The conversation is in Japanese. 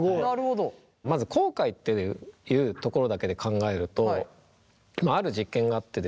まず後悔っていうところだけで考えるとある実験があってですね